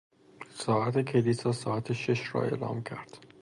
ساعت کلیسا ساعت شش را اعلام کرد.